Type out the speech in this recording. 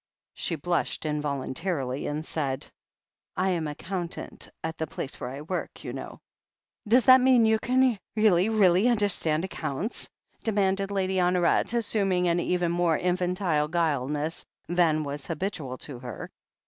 She blushed involuntarily, and said : "I am accountant at the place where I work, you know." "Does that mean that you can y'eally, y'eally under stand accounts?" demanded Lady Honoret, asstmiing an even more infantile guilelessness than was habitual to her.